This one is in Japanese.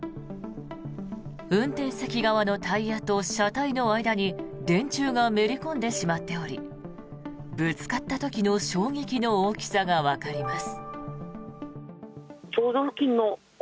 運転席側のタイヤと車体の間に電柱がめり込んでしまっておりぶつかった時の衝撃の大きさがわかります。